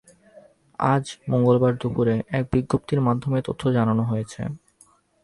আজ মঙ্গলবার দুপুরে এক বিজ্ঞপ্তির মাধ্যমে এ তথ্য জানানো হয়েছে।